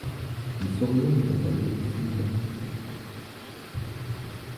Il s’oriente vers la direction d'orchestre.